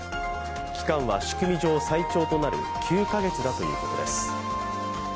期間は仕組み上、最長となる９か月だということです。